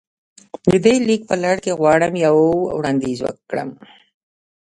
د دې ليک په لړ کې غواړم يو وړانديز وکړم.